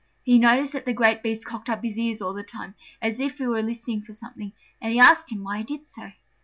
He noticed that the great beast cocked up his ears all the time, as if he were listening for something, and he asked him why he did so.